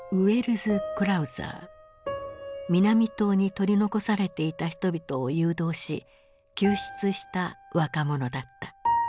南棟に取り残されていた人々を誘導し救出した若者だった。